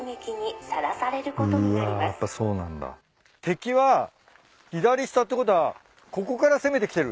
敵は左下ってことはここから攻めてきてるんだ。